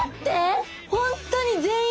ほんとに全員違う！